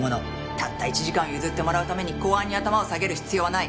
たった１時間譲ってもらうために公安に頭を下げる必要はない。